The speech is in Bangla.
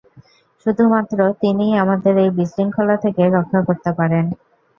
শুধুমাত্র তিনিই আমাদের এই বিশৃঙ্খলা থেকে রক্ষা করতে পারেন!